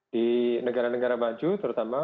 di negara negara maju terutama